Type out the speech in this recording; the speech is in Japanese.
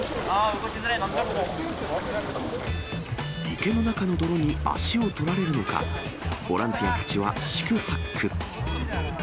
池の中の泥に足を取られるのか、ボランティアたちは四苦八苦。